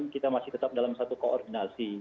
kita masih tetap dalam satu koordinasi